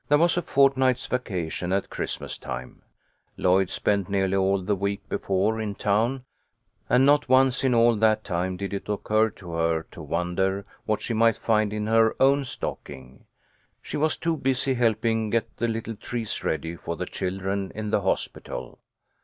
THERE was a fortnight's vacation at Christmas time. Lloyd spent nearly all the week before in town, and not once in all that time did it occur to hei to wonder what she might find in her own stocking. She was too busy helping get the little trees ready for the children in the hospital.